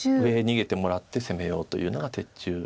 上へ逃げてもらって攻めようというのが鉄柱。